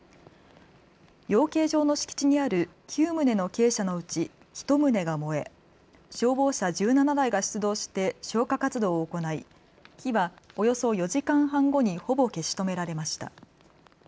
養鶏場の敷地にある９棟の鶏舎のうち１棟が燃え、消防車１７台が出動して消火活動を行い火はおよそ４時間半後にほぼ消し止められました。